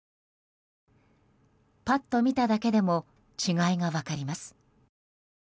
パッと見ただけでも違いが分かります。